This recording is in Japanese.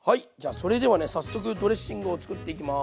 それではね早速ドレッシングを作っていきます。